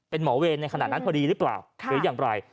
เป็นหมอเวรในขณะนั้นพอดีหรือเปล่าหรืออย่างไร